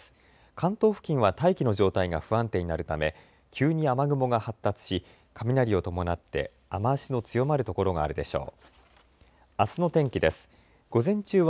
関東付近は大気の状態が不安定になるため急に雨雲が発達し雷を伴って雨足の強まる所があるでしょう。